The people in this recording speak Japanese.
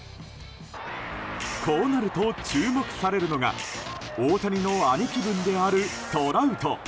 こうなると、注目されるのが大谷の兄貴分である、トラウト。